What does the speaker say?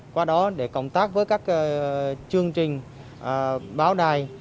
qua đó để cộng tác với các chương trình báo đài